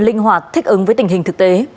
linh hoạt thích ứng với tình hình thực tế